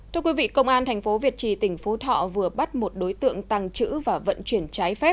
thưa quý vị công an tp việt trì tỉnh phố thọ vừa bắt một đối tượng tăng chữ và vận chuyển trái phép